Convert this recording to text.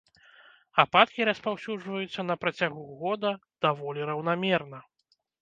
Ападкі распаўсюджваюцца на працягу года даволі раўнамерна.